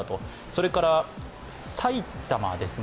それから、埼玉です。